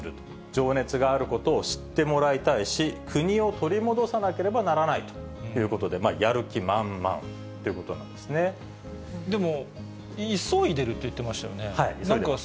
情熱があることを知ってもらいたいし、国を取り戻さなければならないということで、やる気満々というこでも、急いでるって言ってましたよね。